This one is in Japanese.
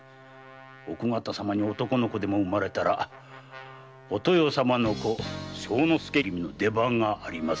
奥方様に男の子でも生まれたらお豊様の子・正之助君の出番がありませぬゆえな。